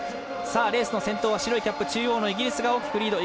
レースの先頭は白いキャップ中央のイギリスが大きくリード。